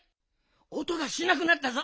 おとがしなくなったぞ。